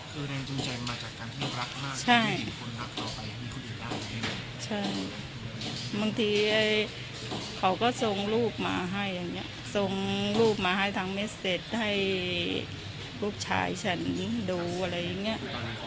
คือในจุงจังมาจากการที่รักมากและมีคนรักต่อไปอย่างคุณเดียว